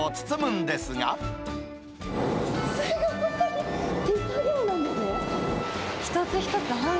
すごい、手作業なんですね。